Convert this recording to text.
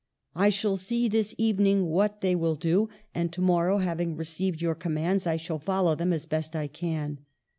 I shall see, this evening, what they will do ; and to morrow, having received your commands, I shall follow them as best I can.